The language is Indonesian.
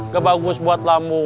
gak bagus buat lambung